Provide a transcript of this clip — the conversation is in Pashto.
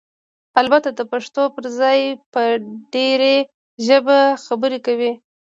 البته دپښتو پرځای په ډري ژبه خبرې کوي؟!